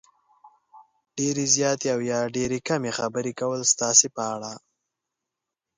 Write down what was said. ډېرې زیاتې او یا ډېرې کمې خبرې کول ستاسې په اړه